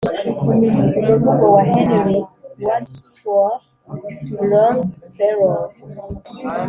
umuvugo wa henry wadsworth longfellow